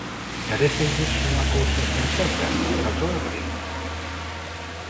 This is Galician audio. ¿Parécelles unha cousa sensata, razoable?